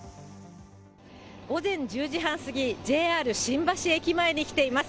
午前１０時半過ぎ、ＪＲ新橋駅前に来ています。